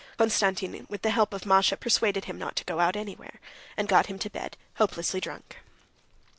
Konstantin with the help of Masha persuaded him not to go out anywhere, and got him to bed hopelessly drunk.